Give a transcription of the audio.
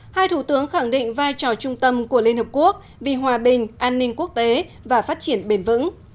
hai thủ tướng khẳng định vai trò trung tâm của liên hợp quốc vì hòa bình an ninh quốc tế và phát triển bền vững